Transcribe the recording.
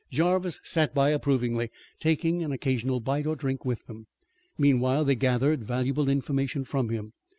Jarvis sat by approvingly, taking an occasional bite or drink with them. Meanwhile they gathered valuable information from him.